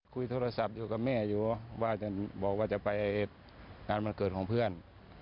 คุยโทรศัพท์อยู่กับแม่อยู่ว่าจะบอกว่าจะไปงานวันเกิดของเพื่อน